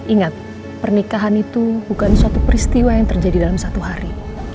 ingat pernikahan itu bukan suatu peristiwa yang terjadi dalam satu hari